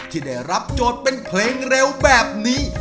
ที่ได้รับโจทย์เป็นเพลงเร็วแบบนี้